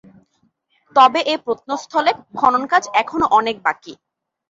তবে এ প্রত্নস্থলে খনন কাজ এখনও অনেক বাকি।